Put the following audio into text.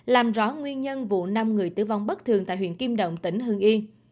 làm rõ nguyên nhân vụ năm người tử vong bất thường tại huyện kim động tỉnh hương yên